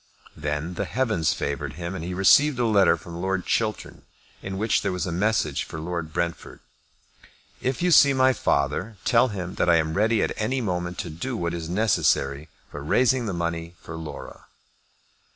Then the heavens favoured him, and he received a letter from Lord Chiltern, in which there was a message for Lord Brentford. "If you see my father, tell him that I am ready at any moment to do what is necessary for raising the money for Laura."